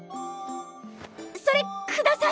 それください！